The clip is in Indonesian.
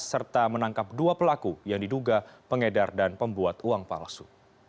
serta menangkap dua pelaku yang diduga pengedar dan pembuat uang palsu